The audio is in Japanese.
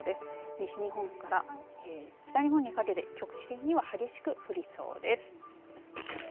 西日本から北日本にかけて局地的には激しく降りそうです。